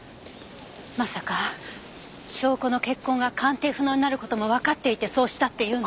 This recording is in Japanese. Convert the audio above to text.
まさか証拠の血痕が鑑定不能になる事もわかっていてそうしたって言うの？